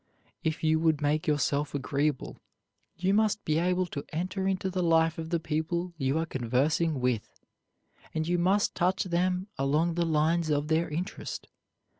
If you would make yourself agreeable you must be able to enter into the life of the people you are conversing with, and you must touch them along the lines of their interest.